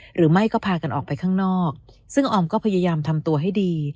หรือไม่ก็พากันออกไปข้างนอกซึ่งออมก็พยายามทำตัวให้ดี